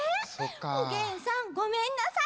おげんさん、ごめんなさい。